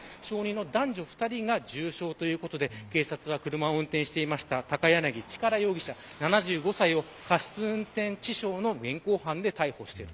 男女２人が重傷ということで警察は、車を運転していた高柳力容疑者、７５歳を過失運転致傷の現行犯で逮捕している。